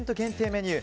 メニュー